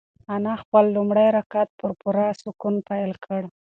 انا خپل لومړی رکعت په پوره سکون پیل کړ.